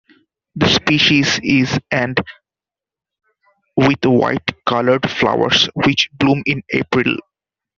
The species is and with white coloured flowers which bloom in April.